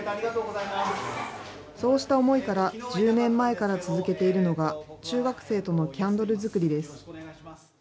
そうした思いから、１０年前から続けているのが、中学生とのキャンドル作りです。